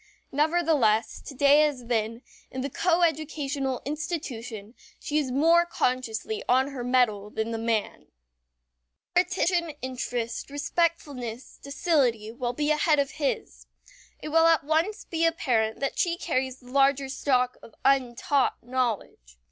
Nevertheless, to day as then, in the coeducational institution she is more consciously on her mettle than the man. Her attention, interest, respectfulness, docility, will be ahead of his. It will at once be apparent that she carries the larger stock of untaught knowledge.